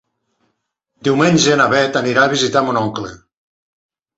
Diumenge na Beth anirà a visitar mon oncle.